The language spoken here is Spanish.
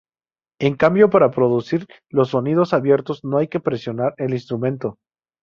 En cambio para producir los sonidos abiertos no hay que presionar el instrumento.